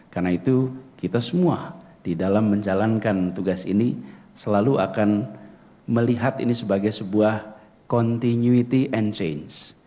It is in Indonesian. karena itu kita semua di dalam menjalankan tugas ini selalu akan melihat ini sebagai sebuah continuity and change